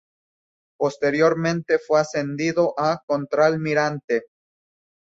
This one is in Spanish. Posteriormente fue ascendido a contraalmirante.